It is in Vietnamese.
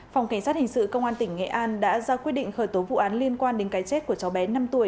phòng cảnh sát hình sự công an tỉnh nghệ an đã ra quyết định khởi tố vụ án liên quan đến cái chết của cháu bé năm tuổi